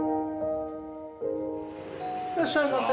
いらっしゃいませ。